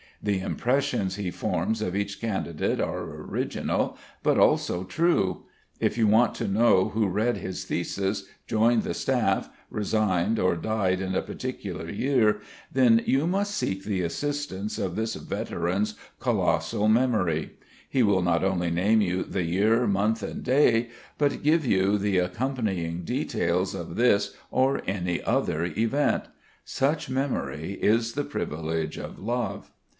The impressions he forms of each candidate are original, but also true. If you want to know who read his thesis, joined the staff, resigned or died in a particular year, then you must seek the assistance of this veteran's colossal memory. He will not only name you the year, month, and day, but give you the accompanying details of this or any other event. Such memory is the privilege of love.